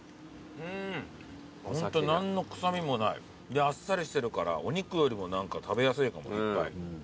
であっさりしてるからお肉よりも何か食べやすいかもいっぱい。